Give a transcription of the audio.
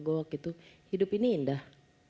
gue waktu itu hidup ini indah